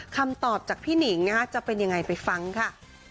คำตอบจากพี่หนิงนะคะจะเป็นยังไงไปฟังค่ะ